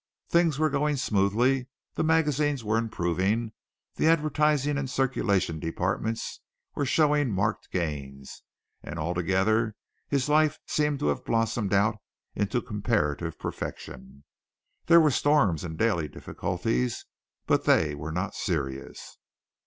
Things were going smoothly, the magazines were improving, the advertising and circulation departments were showing marked gains, and altogether his life seemed to have blossomed out into comparative perfection. There were storms and daily difficulties, but they were not serious.